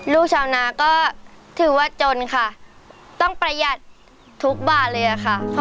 ลูกชาวนาก็ถือว่าจนค่ะต้องประหยัดทุกบาทเลยค่ะ